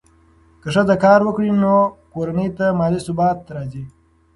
که ښځه کار وکړي، نو کورنۍ ته مالي ثبات راځي.